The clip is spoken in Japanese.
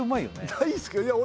大好き俺